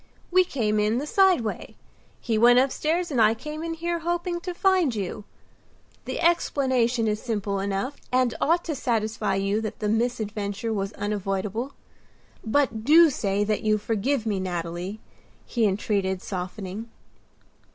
"We came in the side way. He went upstairs and I came in here hoping to find you. The explanation is simple enough and ought to satisfy you that the misadventure was unavoidable. But do say that you forgive me, Nathalie," he entreated, softening.